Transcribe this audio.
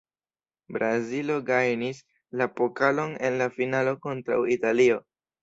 Brazilo gajnis la pokalon en la finalo kontraŭ Italio.